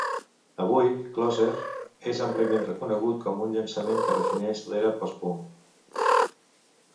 Avui, "Closer" és àmpliament reconegut com un llançament que defineix l'era post-punk.